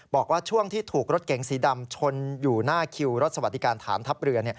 บอกว่าช่วงที่ถูกรถเก๋งสีดำชนอยู่หน้าคิวรถสวัสดิการฐานทัพเรือ